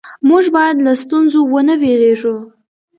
موږ باید له ستونزو ونه وېرېږو